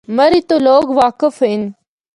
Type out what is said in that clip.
مری تو لوگ واقف ہن۔